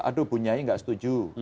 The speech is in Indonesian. aduh bu nyai nggak setuju